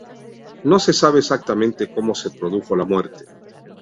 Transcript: No se sabe exactamente como se produjo la muerte.